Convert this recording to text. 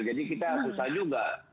jadi kita susah juga